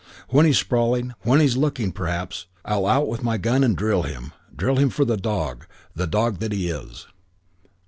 When he's sprawling, when he's looking, perhaps I'll out with my gun and drill him, drill him for the dog, the dog that he is."